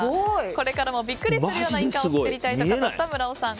これからもビックリするような印鑑を作りたいと語った村尾さん。